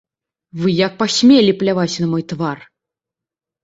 Вы як пасмелі пляваць на мой твар?